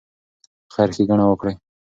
خیر ښېګڼه وکړئ.